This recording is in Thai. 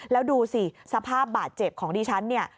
แล้วดูสิสภาพบาดเจ็บของดิฉันเนี่ย